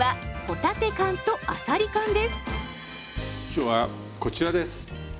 今日はこちらです。